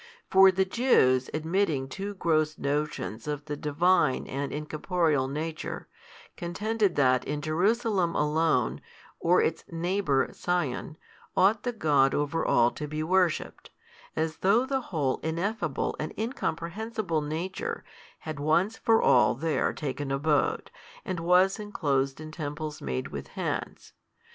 For the Jews admitting too gross notions of the Divine and Incorporeal Nature, contended that in Jerusalem alone, or its neighbour Sion, ought the God over all to be worshipped, as though the whole Ineffable and Incomprehensible Nature had once for all there taken abode, and was enclosed in temples made with hands.